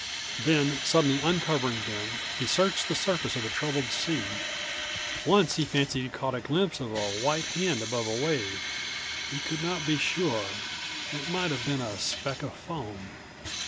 Then, suddenly uncovering them, he searched the surface of the troubled sea. Once he fancied he caught a glimpse of a white hand above a wave. He could not be sure; it might have been a speck of foam.